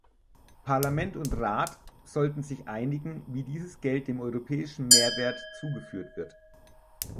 Parlament und Rat sollten sich einigen, wie dieses Geld dem europäischen Mehrwert zugeführt wird.